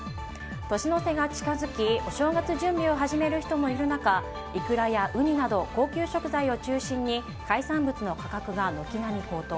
年の瀬が近づきお正月準備を始める人もいる中イクラやウニなど高級食材を中心に海産物の価格が軒並み高騰。